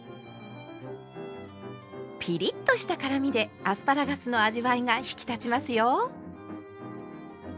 ピリッとした辛みでアスパラガスの味わいが引き立ちますよ。